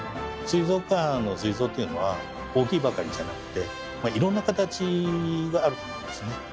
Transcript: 水族館の水槽っていうのは大きいばかりじゃなくていろんな形があると思うんですね。